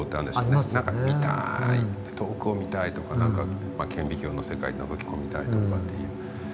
なんか「見たい」遠くを見たいとか顕微鏡の世界をのぞき込みたいとかっていう。